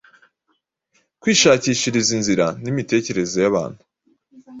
kwishakishiriza inzira n’imitekerereze y’abantu.